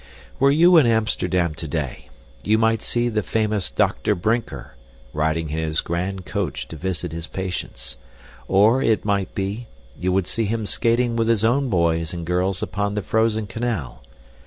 Were you in Amsterdam today, you might see the famous Dr. Brinker riding in his grand coach to visit his patients, or, it might be, you would see him skating with his own boys and girls upon the frozen canal.